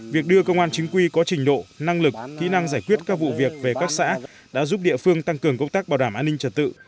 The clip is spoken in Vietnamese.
việc đưa công an chính quy có trình độ năng lực kỹ năng giải quyết các vụ việc về các xã đã giúp địa phương tăng cường công tác bảo đảm an ninh trật tự